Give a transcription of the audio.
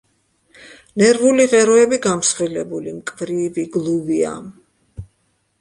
ნერვული ღეროები გამსხვილებული, მკვრივი, გლუვია.